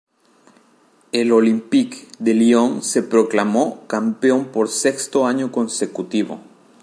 El Olympique de Lyon se proclamó campeón por sexto año consecutivo.